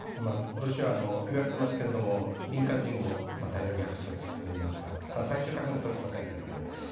ロシアのいわれていますけど民間人を大量虐殺といいますか最終確認はとれていませんが。